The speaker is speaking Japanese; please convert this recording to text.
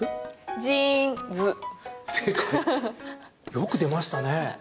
よく出ましたね。